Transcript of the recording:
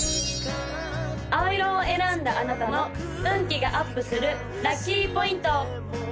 青色を選んだあなたの運気がアップするラッキーポイント！